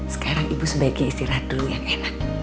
sekarang ibu sebaiknya istirahat dulu yang enak